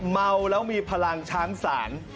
เมาแล้วมีพลังช้างศาล